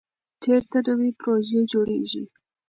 چېرته نوې پروژې جوړېږي؟